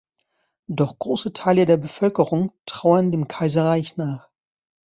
Doch große Teile der Bevölkerung trauern dem Kaiserreich nach.